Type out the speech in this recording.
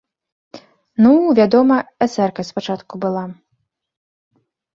Ну, вядома, эсэркай спачатку была.